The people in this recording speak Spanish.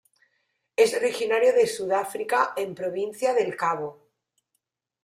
Es originario de Sudáfrica en Provincia del Cabo.